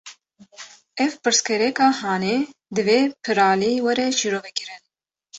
Ev pirsgirêka hanê, divê piralî were şîrovekirin